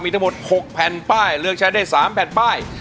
ทั้งหมด๖แผ่นป้ายเลือกใช้ได้๓แผ่นป้าย